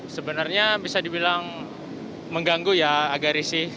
sebenarnya bisa dibilang mengganggu ya agak risih